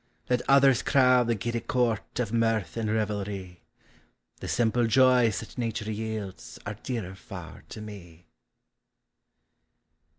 Let others crowd the giddy court Of mirth and revel rv, The simple joys that nature yields Are dearer far to me.